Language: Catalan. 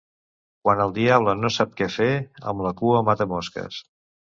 Quan el diable no sap què fer amb la cua mata mosques.